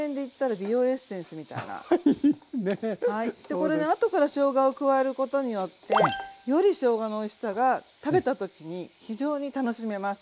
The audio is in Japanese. これねあとからしょうがを加えることによってよりしょうがのおいしさが食べた時に非常に楽しめます。